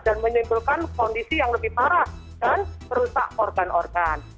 dan menyimpulkan kondisi yang lebih parah dan merusak organ organ